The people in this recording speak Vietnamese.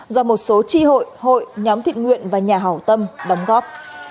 do một số tri hội hội nhóm thiện nguyện và nhà hảo tâm đóng góp